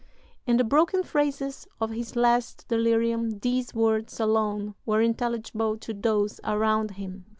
"... In the broken phrases of his last delirium these words alone were intelligible to those around him."